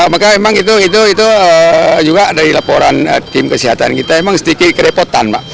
maka emang itu juga dari laporan tim kesehatan kita emang sedikit kerepotan